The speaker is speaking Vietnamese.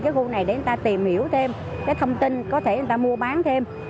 cái vụ này để người ta tìm hiểu thêm cái thông tin có thể người ta mua bán thêm